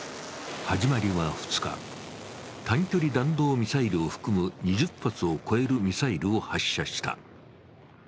始まりは２日、短距離弾道ミサイルを含む２０発のミサイルを発射した。